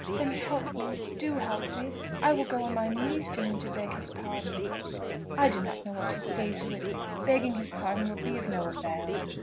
"Then help me; do help me. I will go on my knees to him to beg his pardon." "I do not know what to say to it. Begging his pardon will be of no avail.